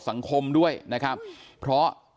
สังคมด้วยนะครับ